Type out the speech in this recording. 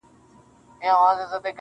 • لکه روڼي د چینې اوبه ځلیږي -